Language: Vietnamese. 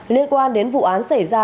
liên quan đến vụ án xảy ra